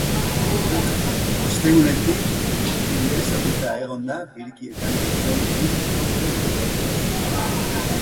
Ostegunetik ingrestauta egon da birikietan dituen bi tronboren ondorioz.